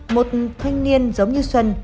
một thanh niên giống như xuân